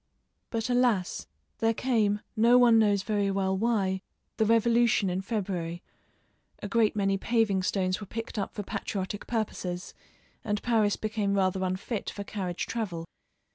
But alas! there came, no one knows very well why, the Revolution in February; a great many paving stones were picked up for patriotic purposes, and Paris became rather unfit for carriage travel.